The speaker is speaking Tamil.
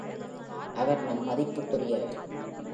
அவர் நம் மதிப்புக்குரியவர்.